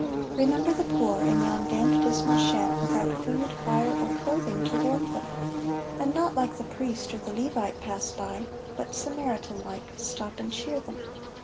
Remember the poor in yon damp dismal shed, Without food, fire, or clothing to warm them; And not like the Priest or the Levite pass by, But Samaritan like stop and cheer them.